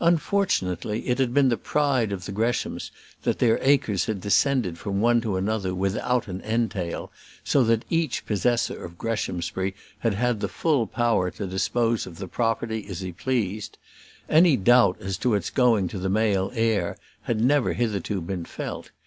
Unfortunately it had been the pride of the Greshams that their acres had descended from one to another without an entail, so that each possessor of Greshamsbury had had the full power to dispose of the property as he pleased. Any doubt as to its going to the male heir had never hitherto been felt.